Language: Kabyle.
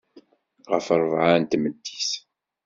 Ɣef rrebεa n tmeddit.